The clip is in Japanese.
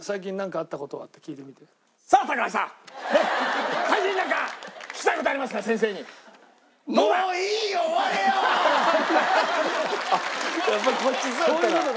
あっやっぱりこっち座ったら。